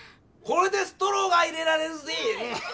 これでストローが入れられるぜぇ！